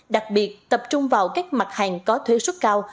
đặc biệt tập trung vào các mặt hàng có thuê suất cao